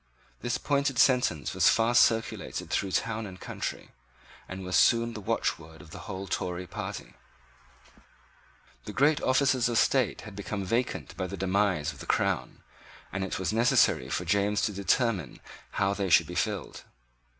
This pointed sentence was fast circulated through town and country, and was soon the watchword of the whole Tory party. The great offices of state had become vacant by the demise of the crown and it was necessary for James to determine how they should be filled.